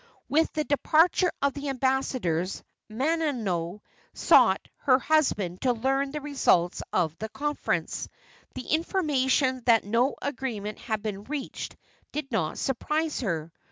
With the departure of the ambassadors Manono sought her husband to learn the results of the conference. The information that no agreement had been reached did not surprise her.